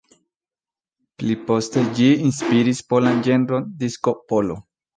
Pli poste ĝi inspiris polan ĝenron disko-polo.